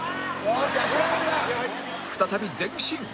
再び前進！